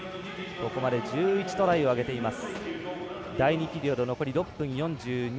ここまで１１トライを挙げています。